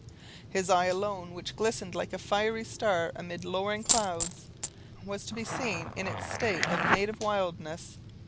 His eye, alone, which glistened like a fiery star amid lowering clouds, was to be seen in its state of native wildness.